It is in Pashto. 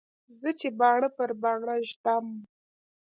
زه چې باڼه پر باڼه ږدم.